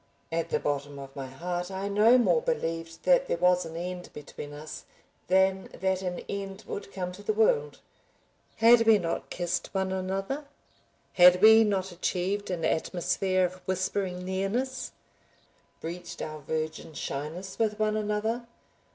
At the bottom of my heart I no more believed that there was an end between us, than that an end would come to the world. Had we not kissed one another, had we not achieved an atmosphere of whispering nearness, breached our virgin shyness with one another?